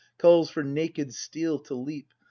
Calls for naked steel to leap.